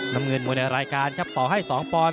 น้ำเงินมวยในรายการครับต่อให้๒ปอนด